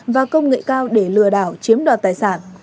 và công nghệ cao để lừa đảo chiếm đoạt tài sản